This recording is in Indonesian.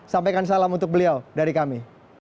sampaikan salam untuk beliau dari kami